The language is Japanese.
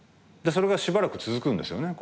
それがしばらく続くんですよね。